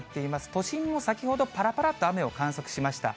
都心も先ほど、ぱらぱらっと雨を観測しました。